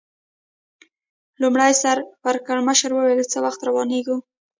لومړي سر پړکمشر وویل: څه وخت روانېږو؟